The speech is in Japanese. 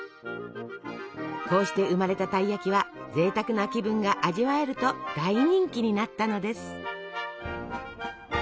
こうして生まれたたい焼きはぜいたくな気分が味わえると大人気になったのです。